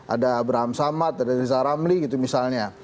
ada abraham samad ada riza ramli gitu misalnya